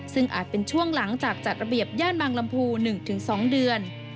ซึ่งอาจเป็นช่วงหลังจากจัดระเบียบย่านบางลำพู๑๒เดือน